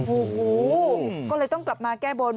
โอ้โหก็เลยต้องกลับมาแก้บน